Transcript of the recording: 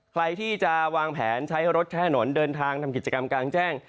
ใครที่จะวางแผนใช้รถแช่หนนเดินทางทำกิจกรรมกลางแจ้ง